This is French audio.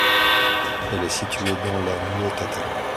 Elle est située dans la Muotatal.